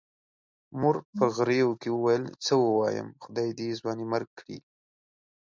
مور په غريو کې وويل چې څه ووايم، خدای دې ځوانيمرګ کړي.